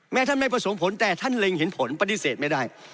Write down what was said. ท่านไม่ประสงค์ผลแต่ท่านเล็งเห็นผลปฏิเสธไม่ได้